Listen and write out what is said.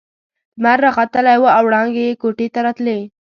لمر راختلی وو او وړانګې يې کوټې ته راتلې.